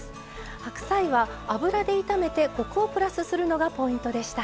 白菜は油で炒めてコクをプラスするのがポイントでした。